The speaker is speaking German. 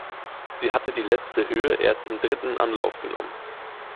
Sie hatte die letzte Höhe erst im dritten Anlauf genommen.